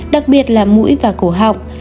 đặc biệt là mũi và cổ họng